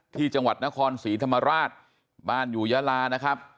ที่จังหวัดนครศรีธรรมราชบ้านอยู่ยาลานะครับ